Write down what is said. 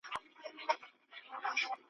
په دې ډنډ کي نوري نه سو لمبېدلای ,